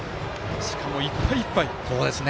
しかも、いっぱいいっぱい。